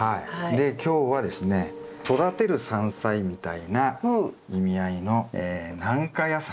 で今日はですね育てる山菜みたいな意味合いの軟化野菜という。